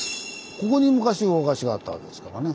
ここに昔魚河岸があったわけですからね。